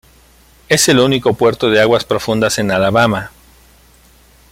Es el único puerto de aguas profundas en Alabama.